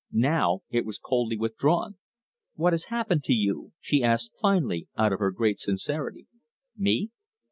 Now it was coldly withdrawn. "What has happened to you?" she asked finally out of her great sincerity. "Me?